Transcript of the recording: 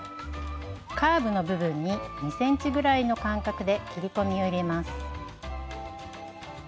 カーブの部分に２ｃｍぐらいの間隔で切り込みを入れます。